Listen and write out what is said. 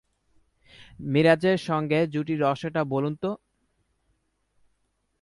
মিরাজের সঙ্গে জুটির রহস্যটা বলুন তো...